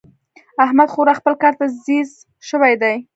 احمد خورا خپل کار ته ځيږ شوی دی.